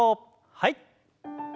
はい。